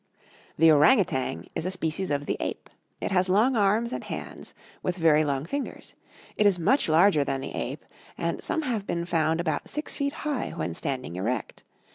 [Illustration: Ourang Outang.] The Ourang Outang is a species of the ape; it has long arms and hands, with very long fingers. It is much larger than the ape, and some have been found about six feet high, when standing erect.